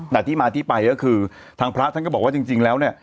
แต่ที่มาที่ไปก็คือทางพระท่านก็บอกว่าจริงแล้วเนี่ย